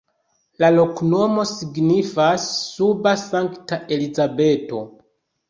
La loknomo signifas: suba-Sankta-Elizabeto.